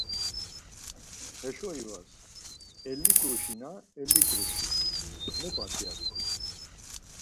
Heşo ivas, elli kroşi na elli kroşi mu pat ya tku.